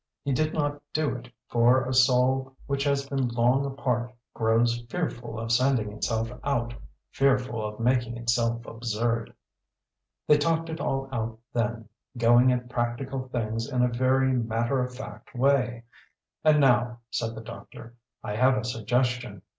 He did not do it, for a soul which has been long apart grows fearful of sending itself out, fearful of making itself absurd. They talked it all out then, going at practical things in a very matter of fact way. "And now," said the doctor, "I have a suggestion.